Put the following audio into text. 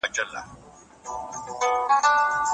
هغه مخکي لا د خپلو ډارونکو خبرو په واسطه وېره خپره کړي وه.